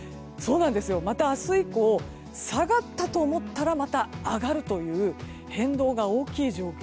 また明日以降下がったと思ったらまた上がるという変動が大きい状況